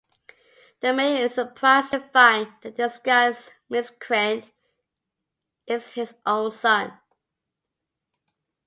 The Mayor is surprised to find that the disguised miscreant is his own son.